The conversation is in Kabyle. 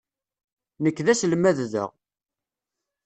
Nekk d aselmad da.